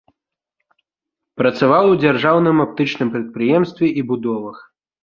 Працаваў у дзяржаўным аптычным прадпрыемстве і будовах.